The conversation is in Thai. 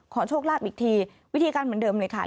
โชคลาภอีกทีวิธีการเหมือนเดิมเลยค่ะ